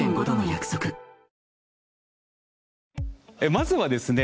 まずはですね